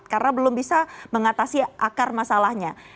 karena belum bisa mengatasi akar masalahnya